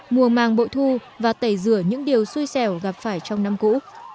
mùa màng bội thu và tẩy rửa những điều xui xẻo gặp phải trong năm cũ